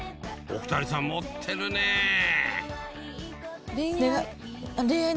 お二人さん持ってるね恋愛。